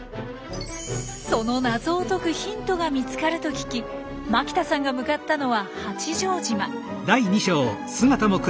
その謎を解くヒントが見つかると聞き牧田さんが向かったのは八丈島。